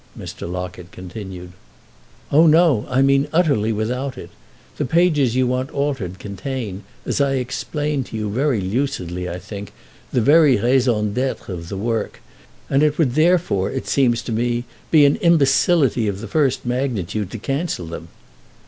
Mr. Locket continued. "Oh, no, I mean utterly without it. The pages you want altered contain, as I explained to you very lucidly, I think, the very raison d'être of the work, and it would therefore, it seems to me, be an imbecility of the first magnitude to cancel them."